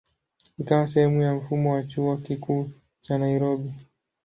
Ikawa sehemu ya mfumo wa Chuo Kikuu cha Nairobi.